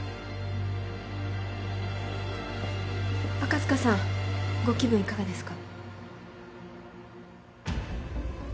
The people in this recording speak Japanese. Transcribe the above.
赤塚さんご気分いかがですか？